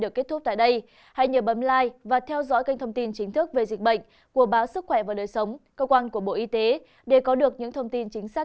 cảm ơn các bạn đã theo dõi